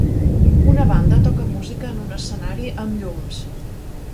Una banda toca música en un escenari amb llums.